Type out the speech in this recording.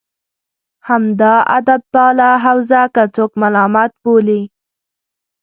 همدا ادبپاله حوزه که څوک ملامت بولي.